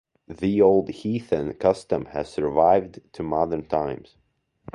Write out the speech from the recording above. The old heathen custom has survived to modern times.